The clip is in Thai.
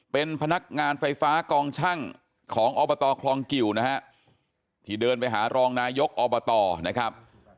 เป็นพนักงานไฟฟ้ากองช่างของอบตคลองกิวนะฮะที่เดินไปหารองนายกอบตนะครับ